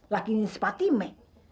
lagian si patime